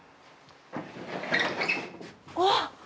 あっ！